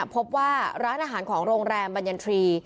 พบว่าร้านอาหารของโรงแรมบรรยันทรีย์